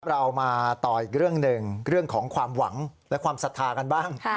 เรามาต่ออีกเรื่องหนึ่งเรื่องของความหวังและความศรัทธากันบ้าง